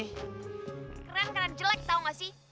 keren karena jelek tau nggak sih